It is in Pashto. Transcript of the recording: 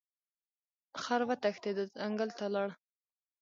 خر وتښتید او ځنګل ته لاړ.